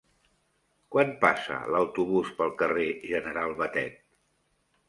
Quan passa l'autobús pel carrer General Batet?